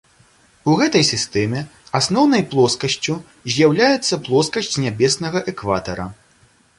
У гэтай сістэме асноўнай плоскасцю з'яўляецца плоскасць нябеснага экватара.